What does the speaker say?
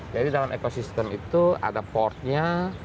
dalam ekosistem itu ada portnya